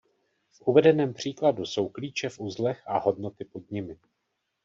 V uvedeném příkladu jsou klíče v uzlech a hodnoty pod nimi.